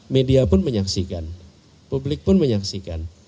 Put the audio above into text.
media pun menyaksikan publik pun menyaksikan